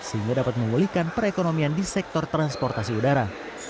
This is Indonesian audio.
sehingga dapat memulihkan perekonomian di sektor transportasi udara